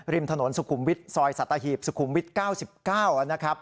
ริมถนนสุขุมวิทย์ซอยสัตหีบสุขุมวิทย์๙๙